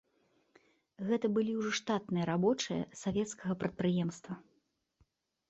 Гэта былі ўжо штатныя рабочыя савецкага прадпрыемства.